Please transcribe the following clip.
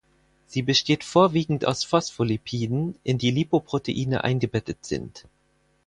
Sie besteht vorwiegend aus Phospholipiden, in die Lipoproteine eingebettet sind.